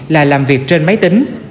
là làm việc trên máy tính